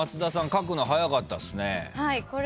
書くの早かったっすね。